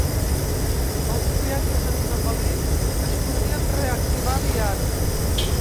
Els viatges en zepelí es podrien reactivar aviat.